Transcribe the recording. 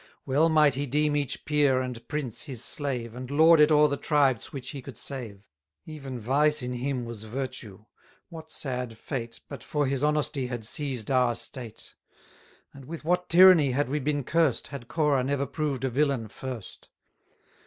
80 Well might he deem each peer and prince his slave, And lord it o'er the tribes which he could save: Even vice in him was virtue what sad fate, But for his honesty had seized our state! And with what tyranny had we been cursed, Had Corah never proved a villain first!